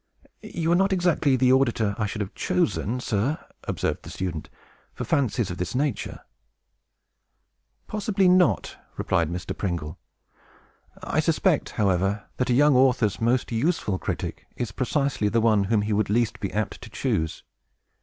"You are not exactly the auditor that I should have chosen, sir," observed the student, "for fantasies of this nature." "Possibly not," replied Mr. Pringle. "I suspect, however, that a young author's most useful critic is precisely the one whom he would be least apt to choose.